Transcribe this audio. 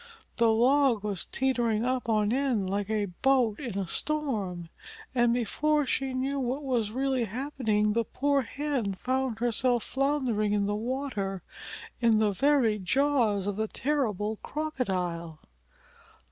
The log was teetering up on end like a boat in a storm! And before she knew what was really happening the poor Hen found herself floundering in the water in the very jaws of the terrible Crocodile.